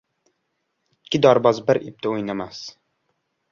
• Ikki dorboz bir ipda o‘ynamas.